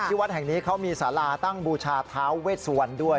วัดแห่งนี้เขามีสาราตั้งบูชาท้าเวสวรรณด้วย